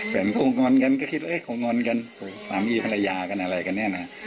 แฝนโกงงอนกันก็คิดว่าเอ๊ะโกงงอนกันโหสามอีภรรยากันอะไรกันเนี้ยน่ะ